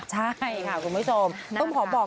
ใช่ค่ะคุณผู้ชม